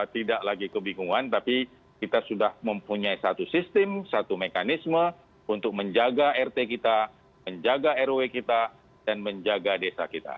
tidak lagi kebingungan tapi kita sudah mempunyai satu sistem satu mekanisme untuk menjaga rt kita menjaga rw kita dan menjaga desa kita